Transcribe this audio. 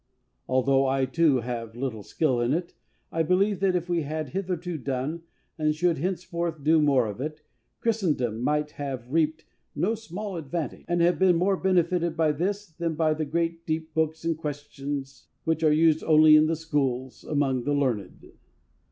Although I too have little skill in it, I believe that if we had hitherto done, and should henceforth do more of it, Christendom would have reaped no small advantage, and have been more bene fited by this than by the great, deep books and quaestiones, which are used only in the schools, among the learned.